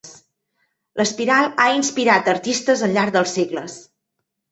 L'espiral ha inspirat artistes al llarg dels segles.